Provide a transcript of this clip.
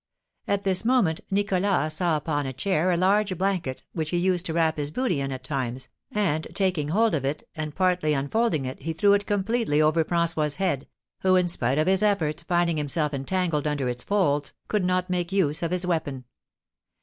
At this moment Nicholas saw upon a chair a large blanket which he used to wrap his booty in at times, and, taking hold of and partly unfolding it, he threw it completely over François's head, who, in spite of his efforts, finding himself entangled under its folds, could not make use of his weapon.